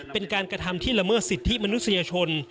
เป็นการกระทำที่ละเมิดสิทธิมนุษยชน